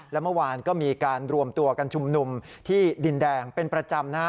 และเมื่อวานก็มีการรวมตัวกันชุมนุมที่ดินแดงเป็นประจำนะฮะ